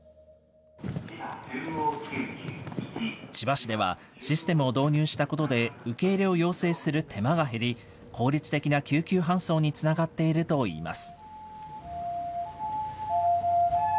千葉市では、システムを導入したことで、受け入れを要請する手間が減り、効率的な救急搬送につながっているといいます。